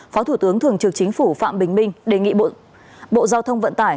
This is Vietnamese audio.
phó thủ tướng thường trực chính phủ phạm bình minh đề nghị bộ giao thông vận tải